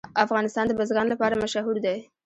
افغانستان د بزګان لپاره مشهور دی.